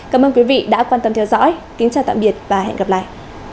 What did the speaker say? cảm ơn quý vị đã quan tâm theo dõi kính chào tạm biệt và hẹn gặp lại